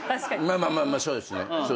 まあまあそうですね。